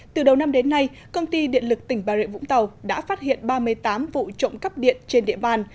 từ đầu năm đến nay công ty điện lực tỉnh bà rịa vũng tàu đã phát hiện ba mươi tám vụ trộm cắp điện trên địa bàn